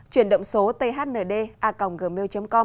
chuyển động số tạm biệt